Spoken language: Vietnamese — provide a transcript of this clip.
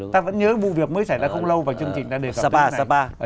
ta vẫn nhớ vụ việc mới xảy ra không lâu và chương trình đã đề cập đến đây